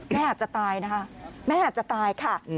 อาจจะตายนะคะแม่อาจจะตายค่ะ